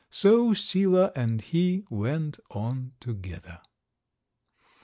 So Sila and he went on together.